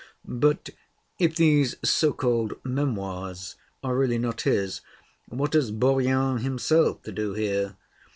But if these so called 'Memoirs' are really not his, what has Bourrienne himself to do here?